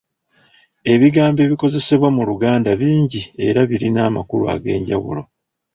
Ebigambo ebikozesebwa mu Lugnda bingi era birina amakulu ag'enjawulo.